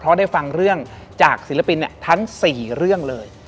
เพราะได้ฟังเรื่องจากศิลปินทั้ง๔เรื่องเลย